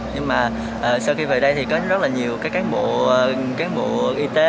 nhưng mà sau khi về đây thì có rất là nhiều các cán bộ y tế